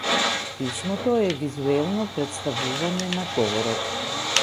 Писмото е визуелно претставување на говорот.